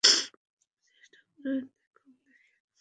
চেষ্টা করেই দেখুন দেখি।